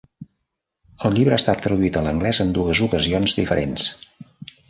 El llibre ha estat traduït a l'anglès en dues ocasions diferents.